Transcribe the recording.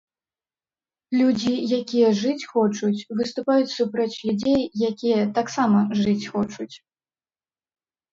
Людзі, якія жыць хочуць, выступаюць супраць людзей, якія таксама жыць хочуць.